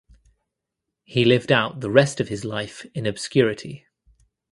He lived out the rest of his life in obscurity.